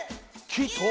きと？